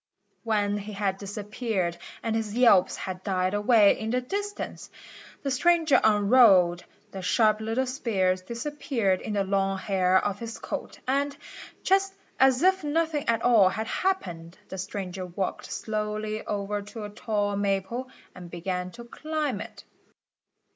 When he had disappeared and his yelps had died away in the distance, the stranger unrolled, the sharp little spears disappeared in the long hair of his coat and, just as if nothing at all had happened, the stranger walked slowly over to a tall maple and began to climb it.